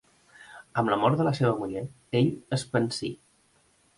Amb la mort de la seva muller ell es pansí.